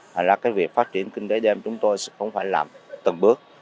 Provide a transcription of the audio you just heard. thành ra cái việc phát triển kinh tế đêm chúng tôi sẽ không phải làm từng bước